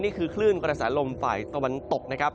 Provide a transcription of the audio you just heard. คลื่นกระแสลมฝ่ายตะวันตกนะครับ